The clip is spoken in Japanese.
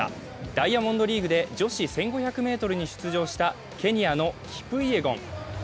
ダイヤモンドリーグで女子１５００ｍに出場したケニアのキプイエゴン。